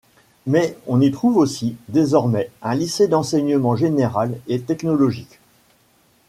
Mais on y trouve aussi, désormais, un lycée d'enseignement général et technologique.